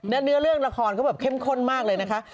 และเนื้อเรื่องละครก็แบบเข้มข้นมากเลยนะคะ